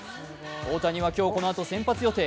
大谷は今日このあと先発予定。